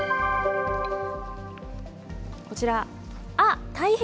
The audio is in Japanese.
こちら、あっ、大変！